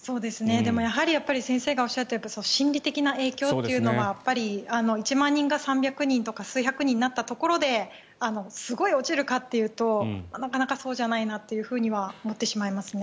でも、やはり先生がおっしゃっている心理的な影響というのはやっぱり１万人が３００人とか数百人になったところですごい落ちるかというとなかなかそうじゃないなとは思ってしまいますね。